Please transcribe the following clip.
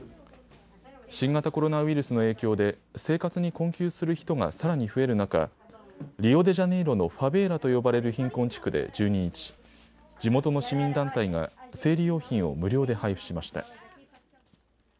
新型コロナウイルスの影響で生活に困窮する人がさらに増える中リオデジャネイロのファベーラと呼ばれる貧困地区で１２日、地元の市民団体が生理用品を無料で配布しました。